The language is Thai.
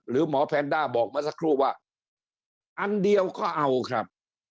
หรือหมอแพนด้าบอกเมื่อสักครู่ว่าอันเดียวก็เอาครับ